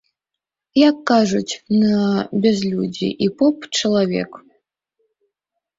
Як кажуць, на бязлюддзі і поп чалавек.